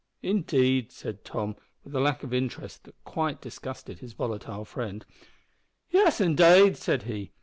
"Indeed," said Tom, with a lack of interest that quite disgusted his volatile friend. "Yes, indade," said he.